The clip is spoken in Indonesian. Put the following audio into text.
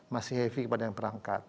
masih heavy kepada yang berangkat